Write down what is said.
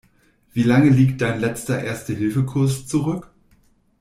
Wie lang liegt dein letzter Erste-Hilfe-Kurs zurück?